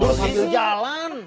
tidur sambil jalan